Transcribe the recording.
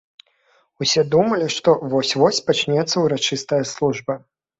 Усе думалі, што вось-вось пачнецца ўрачыстая служба.